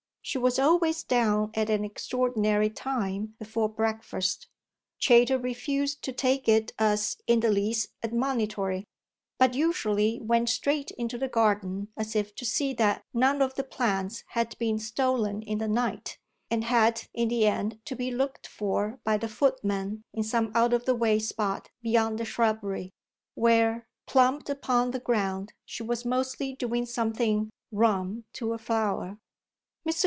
She was always down an extraordinary time before breakfast Chayter refused to take it as in the least admonitory but usually went straight into the garden as if to see that none of the plants had been stolen in the night, and had in the end to be looked for by the footman in some out of the way spot behind the shrubbery, where, plumped upon the ground, she was mostly doing something "rum" to a flower. Mr.